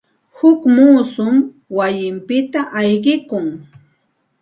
Huk muusum wayinpita ayqikun.